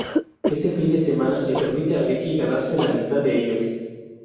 Ese fin de semana le permite a Ricky ganarse la amistad de ellos.